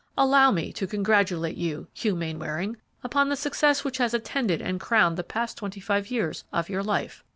Allow me to congratulate you, Hugh Mainwaring, upon the success which has attended and crowned the past twenty five years of your life!